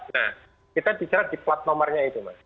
nah kita bicara di plat nomornya itu mas